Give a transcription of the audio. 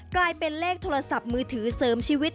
กลายเป็นเลขโทรศัพท์มือถือเสริมชีวิต